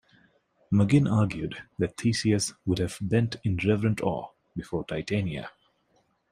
Maginn argued that Theseus would have bent in reverent awe before Titania.